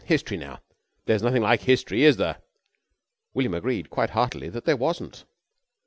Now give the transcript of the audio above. History, now. There's nothing like History, is there?" William agreed quite heartily that there wasn't.